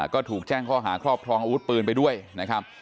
ก็ถูกแจ้งข้อหาครอบครองอาวุธปืนไปด้วยนะครับ